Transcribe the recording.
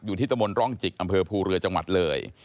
ที่ตะมนตร่องจิกอำเภอภูเรือจังหวัดเลย